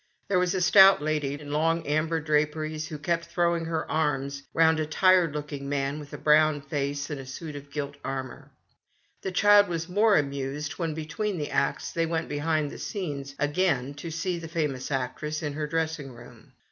There was a stout lady in long amber dra peries, who kept throwing her arms round a tired looking man with a brown face and a suit of gilt armour. The child was more amused when, between the acts, they went behind the scenes again to see the famous actress in her dressing room.